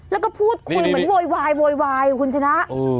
แล้วก็พูดคุยเหมือนโว๊ยคุณชนะ